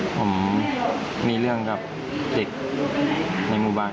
ผมมีเรื่องกับเด็กในหมู่บ้าน